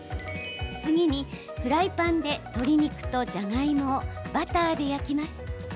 次に、フライパンで鶏肉とじゃがいもをバターで焼きます。